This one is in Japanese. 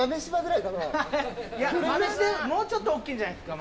いやもうちょっと大っきいんじゃないですか？